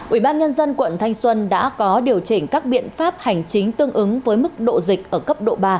ubnd quận thanh xuân đã có điều chỉnh các biện pháp hành chính tương ứng với mức độ dịch ở cấp độ ba